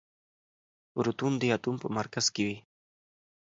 پروتون د اتوم په مرکز کې وي.